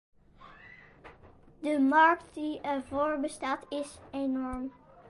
De markt die ervoor bestaat is enorm.